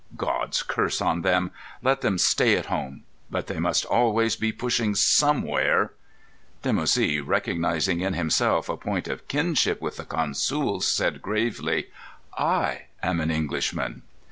God's curse on them! Let them stay at home! But they must always be pushing somewhere." Dimoussi, recognising in himself a point of kinship with the "consools," said gravely: "I am an Englishman."